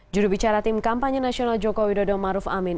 juru bicara tim kampanye nasional joko widodo maruf amin